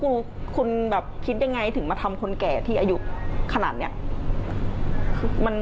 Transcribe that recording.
แล้วคุณคิดอย่างไรถึงมาทำคนแก่ที่อายุขนาดนี้